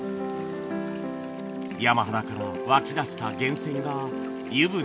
山肌から湧き出した源泉が湯船に流れ込む